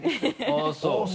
あぁそう。